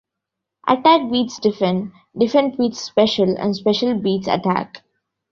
Attack beats defend, defend beats special and special beats attack.